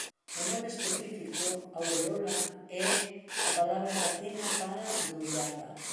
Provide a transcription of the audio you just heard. O nome específico "aureola" é a palabra latina para "dourada".